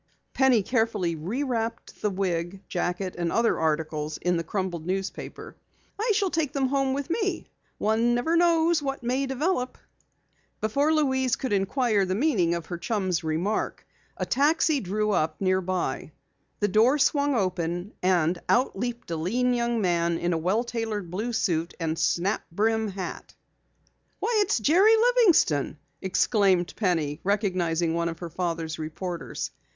Penny carefully rewrapped the wig, jacket, and other articles in the crumpled newspaper. "I shall take them home with me. One never knows what may develop." Before Louise could inquire the meaning of her chum's remark, a taxi drew up nearby. The door swung open and out leaped a lean young man in a well tailored blue suit and snap brim hat. "Why, it's Jerry Livingston!" exclaimed Penny, recognizing one of her father's reporters.